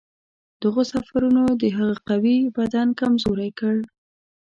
دغو سفرونو د هغه قوي بدن کمزوری کړ.